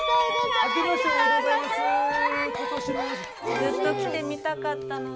ずっと来てみたかったので。